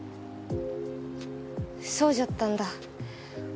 そうじゃったんだ。